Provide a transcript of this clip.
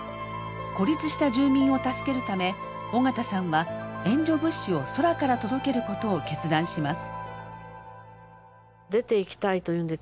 孤立した住民を助けるため緒方さんは援助物資を空から届けることを決断します。